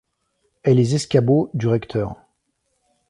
Et les escabeaux du recteur !